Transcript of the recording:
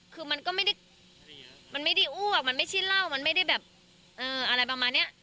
คือมันก็ไม่ได้อ้วกมันไม่ชิ้นเหล้ามันไม่ได้แบบอะไรประมาณนี้